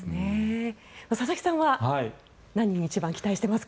佐々木さんは何に一番期待していますか？